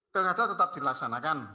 pilkada tetap dilaksanakan